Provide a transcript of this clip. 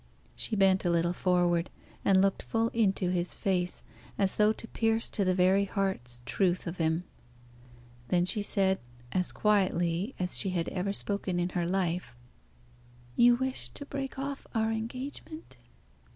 She bent a little forward, and looked full into his face, as though to pierce to the very heart's truth of him. Then she said, as quietly as she had ever spoken in her life, "You wish to break off our engagement?"